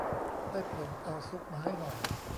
ได้โปรดเอาซุปมาให้หน่อย